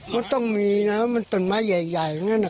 มันต้องมีนะมันต้นไม้ใหญ่อย่างนั้น